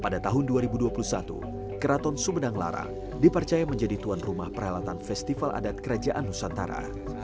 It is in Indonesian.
pada tahun dua ribu dua puluh satu keraton sumedang larang dipercaya menjadi tuan rumah peralatan festival adat kerajaan nusantara